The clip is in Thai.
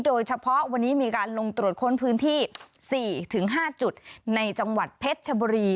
โดยเฉพาะวันนี้มีการลงตรวจค้นพื้นที่๔๕จุดในจังหวัดเพชรชบุรี